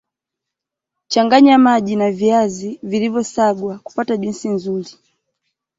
changanya maji na viazi vilivyosagwa kupata juisi nzuri